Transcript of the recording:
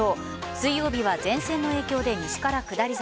水曜日は前線の影響で西から下り坂。